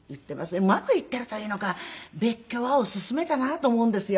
うまくいっているというのか別居はオススメだなと思うんですよ。